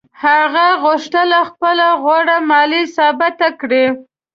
هغه غوښتل خپله غوړه مالي ثابته کړي.